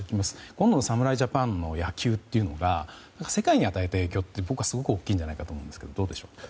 今度の侍ジャパンの野球というのが世界に与えた影響って僕はすごく大きいと思うんですがどうでしょうか。